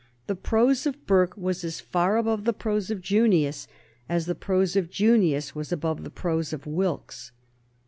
The prose of Burke was as far above the prose of Junius as the prose of Junius was above the prose of Wilkes.